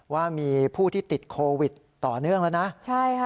ว่ามีผู้ที่ติดโควิดต่อเนื่องแล้วนะใช่ค่ะ